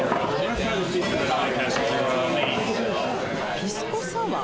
ピスコサワー？